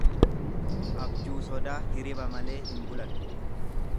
Abjuu sodaa hiriba malee hin bulan.